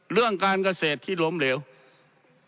เรื่องการเกษตรที่ล้มเหลวนี่นะนี่